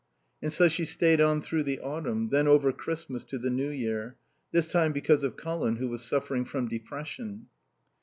And so she stayed on through the autumn, then over Christmas to the New Year; this time because of Colin who was suffering from depression.